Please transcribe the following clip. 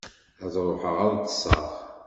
Ad ṛuḥeɣ ad ṭṭseɣ.